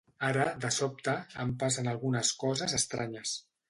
Ara, de sobte, em passen algunes coses estranyes